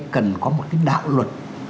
cần có một cái đạo luật